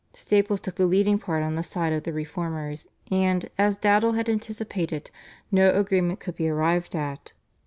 Staples took the leading part on the side of the Reformers, and, as Dowdall had anticipated, no agreement could be arrived at.